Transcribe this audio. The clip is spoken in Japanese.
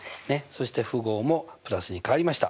そして符号も＋に変わりました。